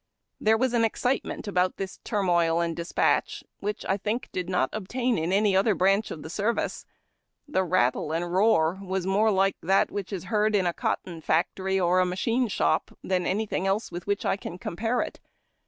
There was an excitement about this turmoil and despatch which T think did not obtain in any other branch of the service. The rattle and roar was more like that which is heard in a cotton factory or machine shop than anything else with which I can compare it.